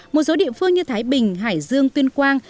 một số địa phương như thái bình hải dương tuyên quang